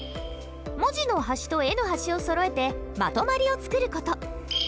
文字の端と絵の端をそろえてまとまりを作る事。